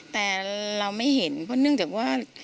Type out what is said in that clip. แต่เราไม่เห็นเพราะเนื่องจากว่า